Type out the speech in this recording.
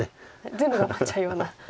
全部頑張っちゃうような。